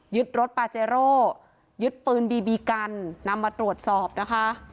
รถปาเจโร่ยึดปืนบีบีกันนำมาตรวจสอบนะคะ